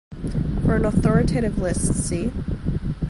For an authoritative list see.